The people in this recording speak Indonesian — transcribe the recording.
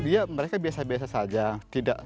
ya mereka biasa biasa saja